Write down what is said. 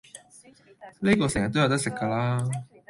哩個成日都有得食嫁啦